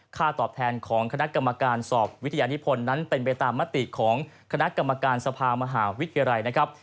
ตอบแทนของคณะกรรมการสอบวิทยานิพลนั้นเป็นไปตามมติของคณะกรรมการสภามหาวิทยาลัยนะครับ